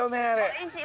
おいしい。